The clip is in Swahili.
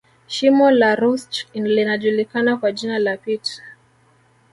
Shimo la reusch linajulikana kwa jina la pit